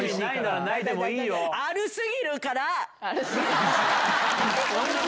「あるすぎるから」！